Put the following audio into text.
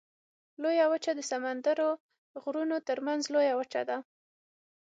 لویه وچه د سمندرونو غرونو ترمنځ لویه وچه ده.